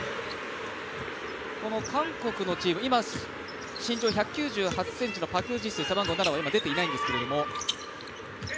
この韓国のチーム、身長１９８ｃｍのパク・ジス、背番号７は出ていないんですが。